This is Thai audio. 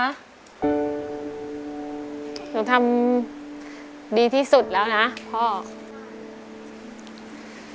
หนูทำดีที่สุดแล้วนะพ่อ